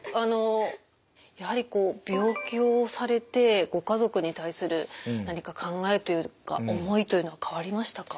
やはりこう病気をされてご家族に対する何か考えというか思いというのは変わりましたか？